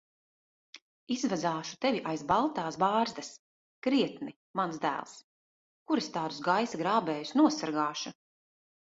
Izvazāšu tevi aiz baltās bārzdas. Krietni, mans dēls. Kur es tādus gaisa grābējus nosargāšu!